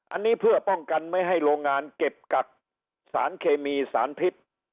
อันนี้เพื่อป้องกันไม่ให้โรงงานเก็บกักสารเคมีสารพิษ